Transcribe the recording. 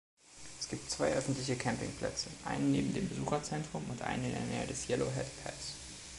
Es gibt zwei öffentliche Campingplätze: einen neben dem Besucherzentrum und einen in der Nähe des Yellowhead Pass.